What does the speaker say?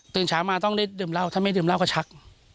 เช้ามาต้องได้ดื่มเหล้าถ้าไม่ดื่มเหล้าก็ชัก